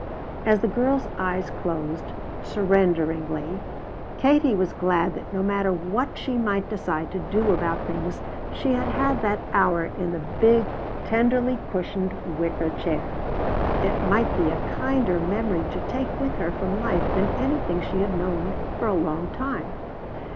As the girl's eyes closed, surrenderingly, Katie was glad that no matter what she might decide to do about things she had had that hour in the big, tenderly cushioned wicker chair. It might be a kinder memory to take with her from life than anything she had known for a long time.